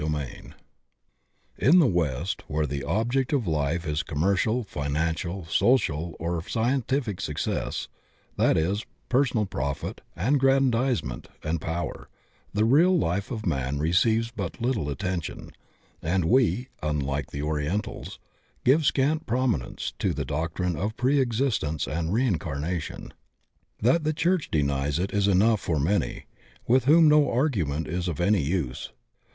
CHAPTER IX IN the West, where the object of life is com mercial, financial, social, or scientific success, ^at is, personal profit, aggrandizement, and power, the real l^e of man receives but little attention, and we, unlike the Orientals, give scant prominence to the doctrine of preexistence and reincarnation. That the church denies it is enough for many, with whom no argument is of any use.